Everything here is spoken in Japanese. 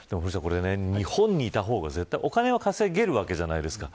日本にいた方が、お金は稼げるわけじゃないですか。